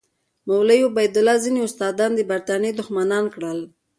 مولوي عبیدالله ځینې استادان د برټانیې دښمنان کړل.